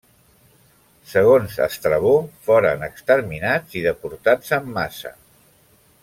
Segons Estrabó, foren exterminats i deportats en massa.